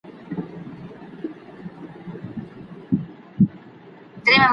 هر فرد د خپلي روغتیا مسولیت لري؟